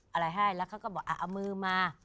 อะไรให้แล้วเขาก็บอกเอามือมา